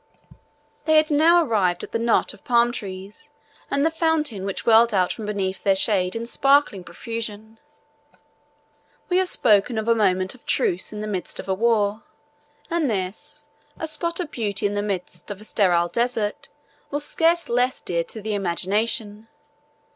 They had now arrived at the knot of palm trees and the fountain which welled out from beneath their shade in sparkling profusion. We have spoken of a moment of truce in the midst of war; and this, a spot of beauty in the midst of a sterile desert, was scarce less dear to the imagination.